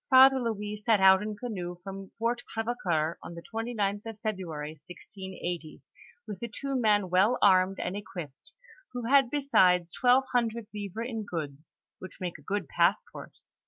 Father Louis set out in canoe fj om Fort Crevecoeur on the 29th of February, 1680, with two men well armed and equip ped, who had besides twelve himdred livres in goods, which make a good passport.